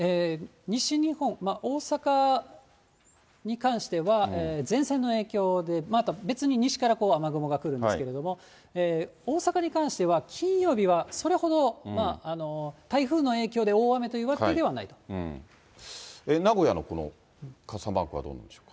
西日本、大阪に関しては、前線の影響で、また別に西から雨雲が来るんですけれども、大阪に関しては金曜日はそれほど台風の影響で大雨というわけでは名古屋のこの傘マークはどうなんでしょうか。